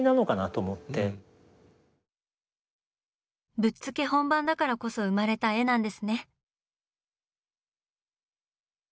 ぶっつけ本番だからこそ生まれた絵なんですね。